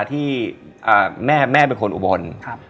ที่แม่เป็นคนอุบล